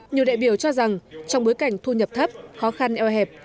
nhiều đại biểu cho rằng trong bối cảnh thu nhập thấp khó khăn eo hẹp